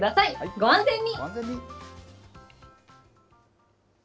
ご安全に。